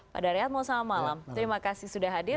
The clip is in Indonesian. pak daryatmo selamat malam terima kasih sudah hadir